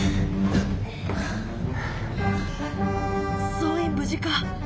総員無事か？